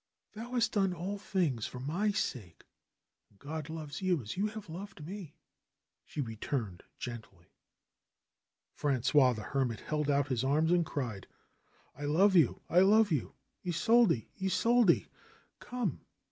"Thou hast done all things for my sake and God loves you as you have loved me," she returned gently, Frangois the Hermit held out his arms and cried : "I love you ! I love you ! Isolde ! Isolde 1" "Come